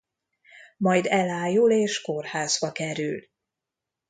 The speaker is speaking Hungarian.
Majd elájul és kórházba kerül.